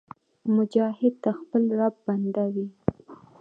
مجاهد د خپل رب بنده وي.